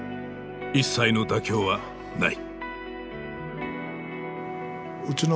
一切の妥協はない。